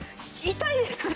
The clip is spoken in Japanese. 痛いですね。